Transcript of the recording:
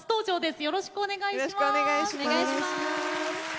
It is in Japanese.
よろしくお願いします。